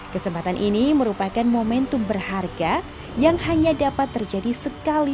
kesempatan ini merupakan momentum berharga yang hanya dapat terjadi sekali